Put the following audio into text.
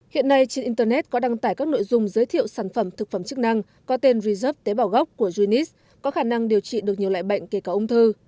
hiện nay trên internet có đăng tải các nội dung giới thiệu sản phẩm thực phẩm chức năng có tên resort tế bảo gốc của junis có khả năng điều trị được nhiều loại bệnh kể cả ung thư